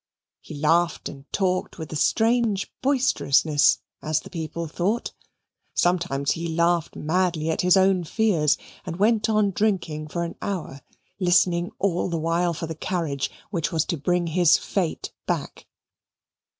He laughed and talked with a strange boisterousness, as the people thought. Sometimes he laughed madly at his own fears and went on drinking for an hour, listening all the while for the carriage which was to bring his fate back.